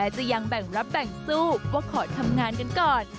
จะยังแบ่งรับแบ่งสู้ก็ขอทำงานกันก่อน